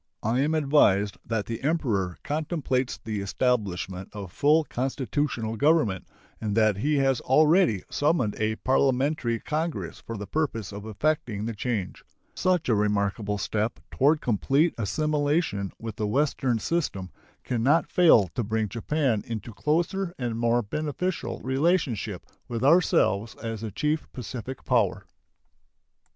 I am advised that the Emperor contemplates the establishment of full constitutional government, and that he has already summoned a parliamentary congress for the purpose of effecting the change. Such a remarkable step toward complete assimilation with the Western system can not fail to bring Japan into closer and more beneficial relationship with ourselves as the chief Pacific power.